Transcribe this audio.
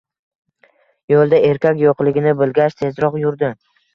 Yo'lda erkak yo'qligini bilgach, tezroq yurdi.